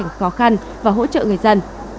các gia đình có khó khăn và hỗ trợ người dân